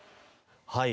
はい。